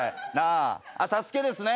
『ＳＡＳＵＫＥ』ですね。